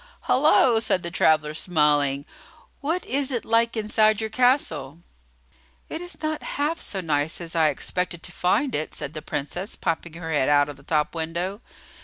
"Hullo!" said the traveller, smiling. "What is it like inside your castle?" "It is not half so nice as I expected to find it," said the Princess, popping her head out of the top window.